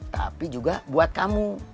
tapi juga buat kamu